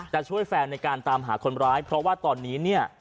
จะช่วยแฟนในการตามหาคนร้ายเพราะว่าตอนนี้เนี่ย